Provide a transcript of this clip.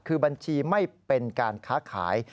คือบัญชีไม่เป็นการค้าขาย